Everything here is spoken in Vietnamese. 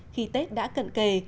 khi tết đã cận kề